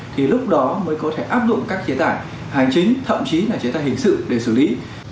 thì lúc đó mới có thể áp dụng các chế tài hành chính thậm chí là chế tài hình sự để xử lý